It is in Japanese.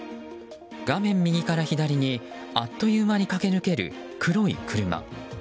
画面右から左にあっという間に駆け抜ける黒い車。